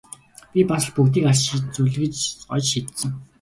Би бас л бүгдийг арчиж зүлгэж оёж шидсэн!